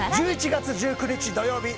１１月１９日土曜日